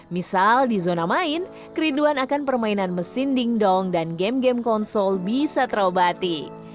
misal di zona main keriduan akan permainan mesin dingdong dan game game konsol bisa terobati